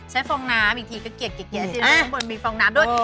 ใช้ฟองน้ำอีกทีก็เกียร์อาทิตย์แล้วข้างบนมีฟองน้ำด้วย